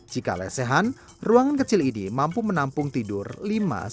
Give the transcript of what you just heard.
jika lesehan ruangan kecil ini mampu menampung tidur lebih dari sepuluh ribu